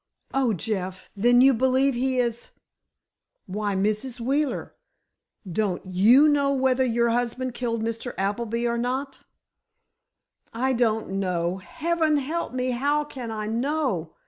"Oh, Jeff—then you believe he is——" "Why, Mrs. Wheeler, don't you know whether your husband killed Mr. Appleby or not?" "I don't know! Heaven help me—how can I know?